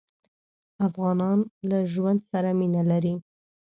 افغانان له ژوند سره مينه لري.